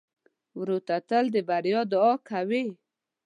ورور ته تل د بریا دعا کوې.